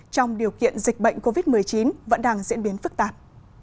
trong điều kiện dịch bệnh covid một mươi chín vẫn đang diễn biến phức tạp